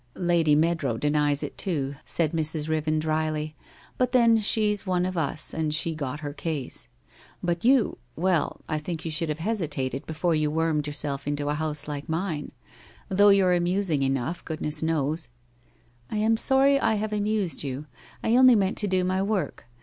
' Lady Meadrow denies it, too/ said Mrs. Riven drily, ' but then she's one of Us, and she got her case. But you — well, I think you should have hesitated before you wormed yourself into a house like mine. Though you're amusing enough, goodness knows!' ' I am sorry I have amused you. I only meant to do my work.